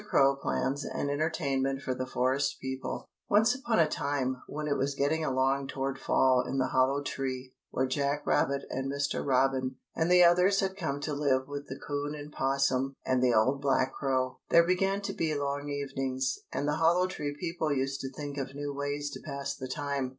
CROW PLANS AN ENTERTAINMENT FOR THE FOREST PEOPLE [Illustration: HAD TO SCRATCH HIS HEAD AND THINK PRETTY HARD.] Once upon a time, when it was getting along toward fall in the Hollow Tree where Jack Rabbit and Mr. Robin and the others had come to live with the 'Coon and 'Possum and the old black Crow, there began to be long evenings, and the Hollow Tree people used to think of new ways to pass the time.